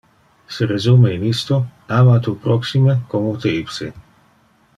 Se resume in isto: “Ama tu proximo como te ipse”.